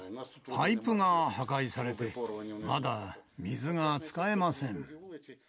パイプが破壊されて、まだ水が使えません。